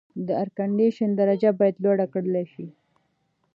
د اېرکنډیشن درجه باید لوړه کړل شي.